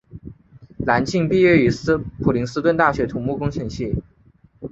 蓝钦毕业于普林斯顿大学土木工程系。